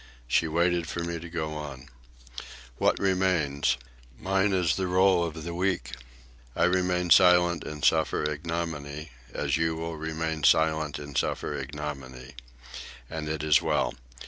She waited for me to go on. "What remains? Mine is the role of the weak. I remain silent and suffer ignominy, as you will remain silent and suffer ignominy. And it is well.